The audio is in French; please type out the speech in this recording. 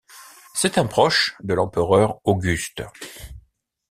C'est un proche de l'empereur Auguste.